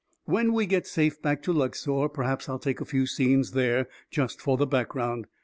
When we get safe back to Luxor, perhaps I'll take a few scenes there, just for the background.